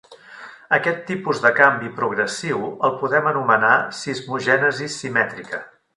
Aquest tipus de canvi progressiu el podem anomenar cismogènesis simètrica.